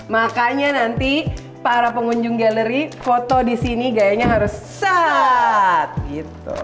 makanya nanti para pengunjung galeri foto disini gayanya harus saat gitu